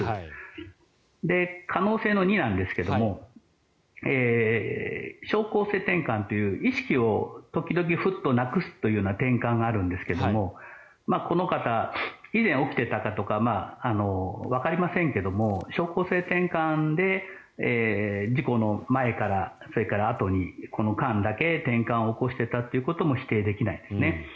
可能性の２なんですけど症候性てんかんという意識を時々ふっとなくすようなてんかんがあるんですけれどもこの方、以前、起きていたかとかわかりませんけれど症候性てんかんが事故の前かあとに、この間だけてんかんを起こしていたということも否定できないですね。